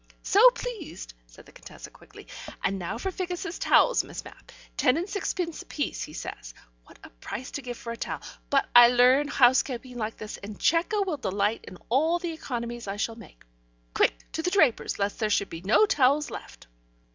... "So pleased," said the Contessa quickly. "And now for Figgis's towels, Miss Mapp. Ten and sixpence apiece, he says. What a price to give for a towel! But I learn housekeeping like this, and Cecco will delight in all the economies I shall make. Quick, to the draper's, lest there should be no towels left."